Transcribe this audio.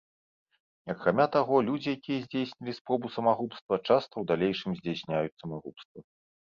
Акрамя таго, людзі, якія здзейснілі спробу самагубства, часта ў далейшым здзяйсняюць самагубства.